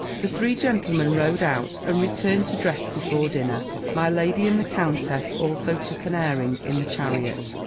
The three gentlemen rode out, and returned to dress before dinner: my lady and the countess also took an airing in the chariot.